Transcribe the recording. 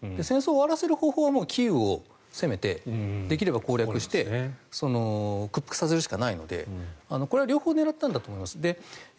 戦争を終わらせる方法はキーウを攻めてできれば攻略して屈服させるしかないので、これは両方狙ったんだと思います。